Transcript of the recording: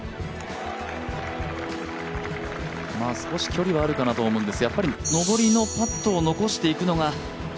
少し距離はあるかなと思うんですがやっぱり上りのパットを残していくのが。